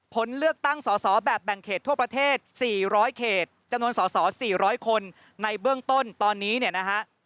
ผลเลือกตั้งสอสอแบบแบ่งเขตทั่วประเทศ๔๐๐เขตจำนวนสอสอ๔๐๐คนในเบื้องต้นตอนนี้เนี่ยนะฮะ